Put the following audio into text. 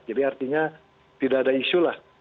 jadi artinya tidak ada isu lah